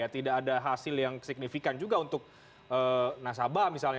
tidak ada hasil yang signifikan juga untuk nasabah misalnya